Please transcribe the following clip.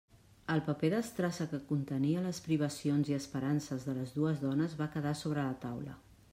El paper d'estrassa que contenia les privacions i esperances de les dues dones va quedar sobre la taula.